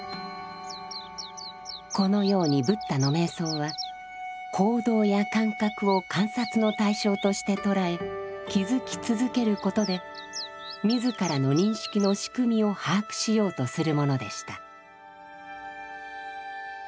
このようにブッダの瞑想は行動や感覚を観察の対象として捉え気づき続けることで自らの認識の仕組みを把握しようとするものでした。